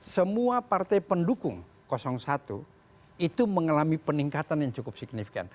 semua partai pendukung satu itu mengalami peningkatan yang cukup signifikan